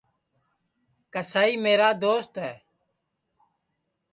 کسائی میرا دوست ہے